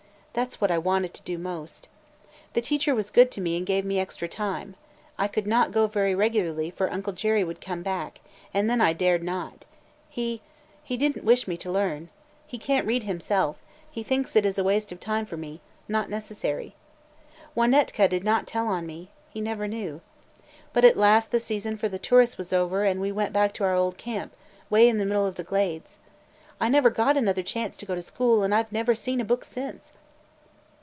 That 's what I wanted to do most. The teacher was good to me and gave me extra time. I could not go very regularly for Uncle Jerry would come back – and then I dared not. He – he did n't wish me to learn. He can't read himself; he thinks it is a waste of time for me – not necessary. Wanetka did not tell on me: he never knew. But at last the season for the tourists was over and we went back to our old camp, way in the middle of the Glades. I never got another chance to go to school and I 've never seen a book since!"